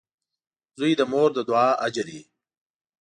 • زوی د مور د دعا اجر وي.